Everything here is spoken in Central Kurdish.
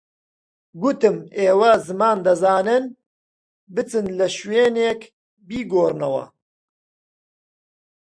گوتم ئێوە زمان دەزانن، بچن لە شوێنێک بیگۆڕنەوە